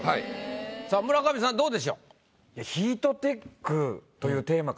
さあ村上さんどうでしょう？